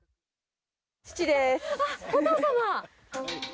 父でーす。